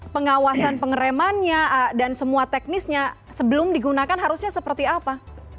pengawasan pengeremannya dan semua teknisnya sebelum digunakan harusnya seperti apa